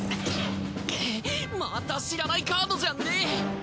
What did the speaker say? また知らないカードじゃんね。